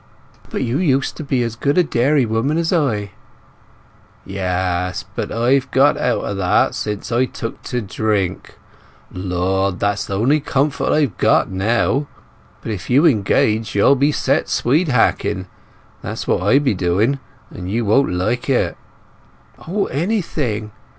"But you used to be as good a dairywoman as I." "Yes; but I've got out o' that since I took to drink. Lord, that's the only comfort I've got now! If you engage, you'll be set swede hacking. That's what I be doing; but you won't like it." "O—anything!